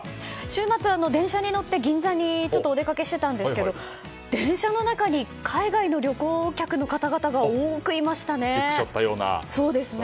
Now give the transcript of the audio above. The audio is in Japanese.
週末は電車に乗ってちょっと銀座にお出かけしてたんですけど電車の中に海外の旅行客の方々が多くいましたね。